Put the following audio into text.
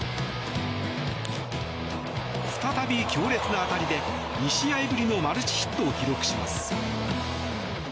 再び強烈な当たりで２試合ぶりのマルチヒットを記録します。